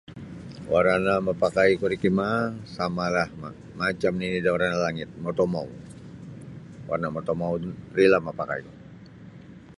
Warana' mapakaiku ri kimaa samalah macam nini da warna langit motomou warna motomou rilah mapakaiku.